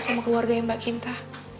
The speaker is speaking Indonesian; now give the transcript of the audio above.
sama keluarga yang mbak cinta